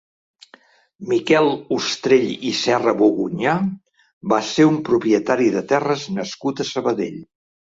Miquel Ustrell i Serrabogunyà va ser un propietari de terres nascut a Sabadell.